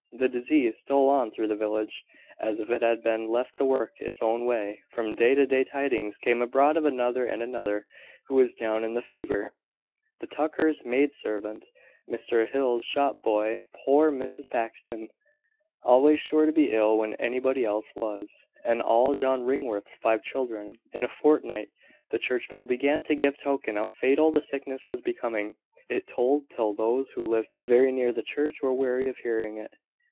The disease stole on through the village, as if it had been left to work its own way; from day to day tidings came abroad of another and another who was down in the fever, the Tuckers' maidservant, Mr Hill's shop boy, poor Mrs Paxton, always sure to be ill when anybody else was, and all John Ringworth's five children. In a fortnight, the church bell began to give token how fatal the sickness was becoming. It tolled till those who lived very near the church were weary of hearing it.